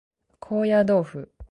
高野豆腐